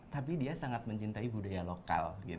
tapi dia sangat mencintai budaya lokal